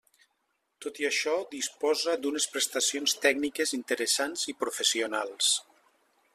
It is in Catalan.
Tot i això disposa d'unes prestacions tècniques interessants i professionals.